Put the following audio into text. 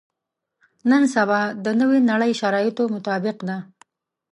نن سبا د نوې نړۍ شرایطو مطابق ده.